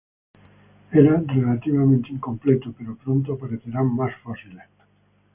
Era relativamente incompleto, pero pronto aparecerán más fósiles.